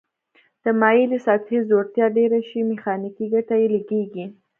د مایلې سطحې ځوړتیا ډیره شي میخانیکي ګټه یې لږیږي.